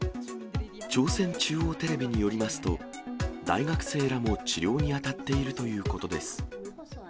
朝鮮中央テレビによりますと、大学生らも治療に当たっているということです。